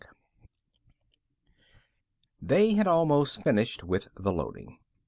_ They had almost finished with the loading.